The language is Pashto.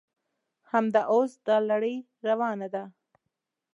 همدا اوس دا لړۍ روانه ده.